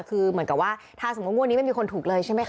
คือเหมือนกับว่าถ้าสมมุติงวดนี้ไม่มีคนถูกเลยใช่ไหมคะ